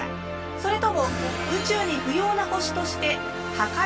それとも宇宙に不要な星として破壊すべきなのか？